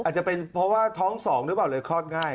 อาจจะเป็นเพราะว่าท้อง๒หรือเปล่าเลยคลอดง่าย